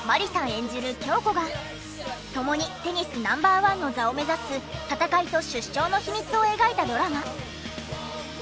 演じる響子が共にテニスＮｏ．１の座を目指す戦いと出生の秘密を描いたドラマ。